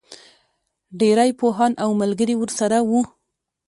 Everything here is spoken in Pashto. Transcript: ډېری پوهان او ملګري ورسره وو.